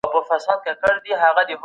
هغه غوښه چې پخه شوې ده، په مېز کېږدئ.